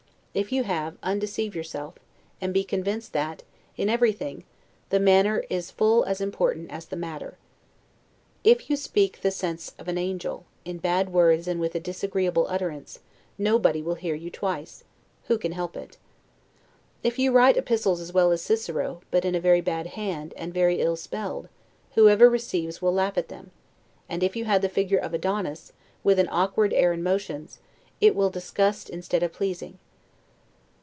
If you have, undeceive yourself, and be convinced that, in everything, the manner is full as important as the matter. If you speak the sense of an angel, in bad words and with a disagreeable utterance, nobody will hear you twice, who can help it. If you write epistles as well as Cicero, but in a very bad hand, and very ill spelled, whoever receives will laugh at them; and if you had the figure of Adonis, with an awkward air and motions, it will disgust instead of pleasing.